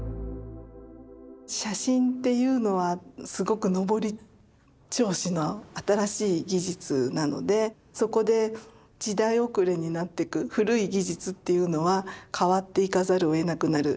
写真っていうのはすごく上り調子の新しい技術なのでそこで時代遅れになってく古い技術っていうのは変わっていかざるをえなくなる。